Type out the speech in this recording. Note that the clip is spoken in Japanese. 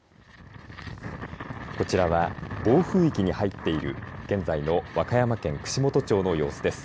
こちらは暴風域に入っている現在の和歌山県串本町の様子です。